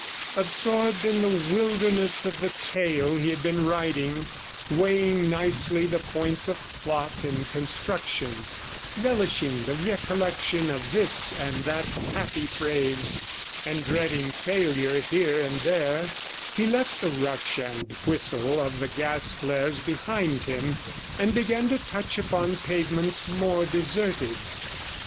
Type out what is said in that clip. Absorbed in the wilderness of the tale he had been writing, weighing nicely the points of plot and construction, relishing the recollection of this and that happy phrase, and dreading failure here and there, he left the rush and whistle of the gas flares behind him, and began to touch upon pavements more deserted.